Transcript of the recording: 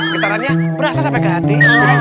gitarannya berasa sampai ke hati